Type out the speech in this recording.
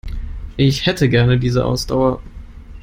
Ich hätte gerne diese Ausdauer.